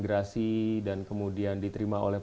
gerasi dan kemudian diterima oleh